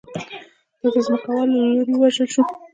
دا د ځمکوالو له لوري ووژل شو